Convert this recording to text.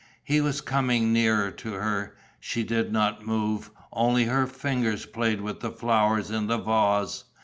He was coming nearer to her. She did not move, only her fingers played with the flowers in the vase.